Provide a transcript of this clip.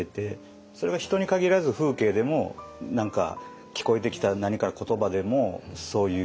それが人に限らず風景でも聞こえてきた何かの言葉でもそういう。